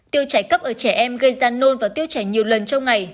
tiêu chảy cấp ở trẻ em gây ra nôn và tiêu chảy nhiều lần trong ngày